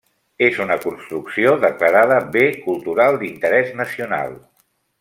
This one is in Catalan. És una construcció declarada bé cultural d'interès nacional.